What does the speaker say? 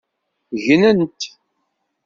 Gnent.